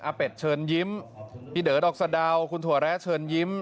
เป็ดเชิญยิ้มพี่เด๋อดอกสะดาวคุณถั่วแร้เชิญยิ้ม